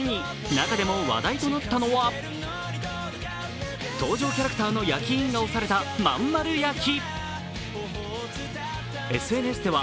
中でも話題となったのは登場キャラクターの焼き印が押されたまんまる焼き。